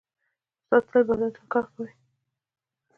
استاد تل بدلون ته کار کوي.